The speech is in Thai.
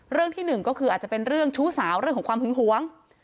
ที่หนึ่งก็คืออาจจะเป็นเรื่องชู้สาวเรื่องของความหึงหวง